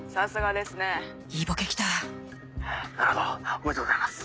おめでとうございます。